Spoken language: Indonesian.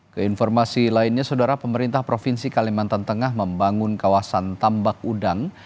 keinformasi lainnya saudara pemerintah provinsi kalimantan tengah membangun kawasan tambak udang